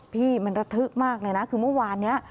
พี่มันระทึกมากเลยนะคือเมื่อวานนี้